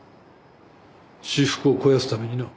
私腹を肥やすためにな。